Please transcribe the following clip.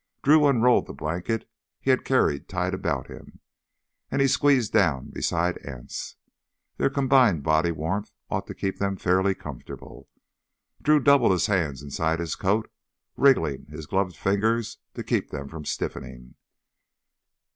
Drew unrolled the blanket he had carried tied about him, and he squeezed down beside Anse. Their combined body warmth ought to keep them fairly comfortable. Drew doubled his hands inside his coat, wriggling his gloved fingers to keep them from stiffening.